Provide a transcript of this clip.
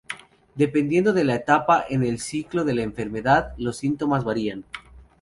Dependiendo de la etapa en el ciclo de la enfermedad, los síntomas varían.